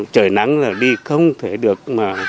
trời nắng đi không thể được